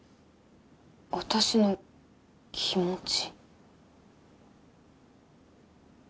私の気持ち？